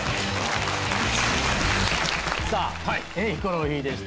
さあヒコロヒーでした。